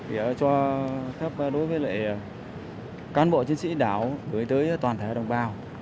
đối với cán bộ chiến sĩ đảo gửi tới toàn thể đồng bào